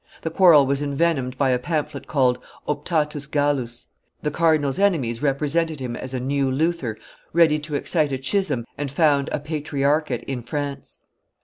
The quarrel was envenomed by a pamphlet called Optatus Gallus. The cardinal's enemies represented him as a new Luther ready to excite a schism and found a patriarchate in France.